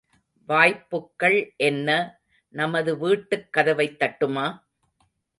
வாய்ப்புக்கள் என்ன, நமது வீட்டுக் கதவைத் தட்டுமா?